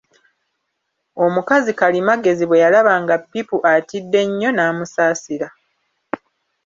Omukazi Kalimagezi bwe yalaba nga Pipu atidde nnyo n'amusaasira.